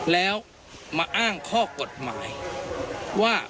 แล้วมาอ้างข้อกฎหมายว่า